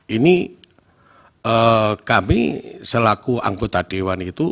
ini kami selaku anggota dewan itu